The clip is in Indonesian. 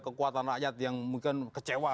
kekuatan rakyat yang mungkin kecewa